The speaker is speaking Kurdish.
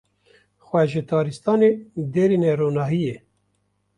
Xwe ji taristanê derîne ronahiyê.